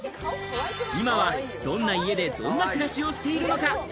今は、どんな家でどんな暮らしをしているのか？